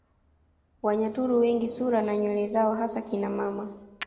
Wanyaturu wengi sura na nywele zao hasa kina mama